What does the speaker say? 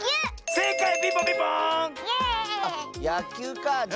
せいかい！